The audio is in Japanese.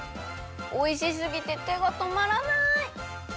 おいしすぎててがとまらない！